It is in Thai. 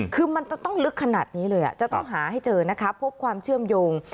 คือมันจะต้องลึกขนาดนี้เลยจะต้องหาให้เจอนะคะพบความเชื่อมโยง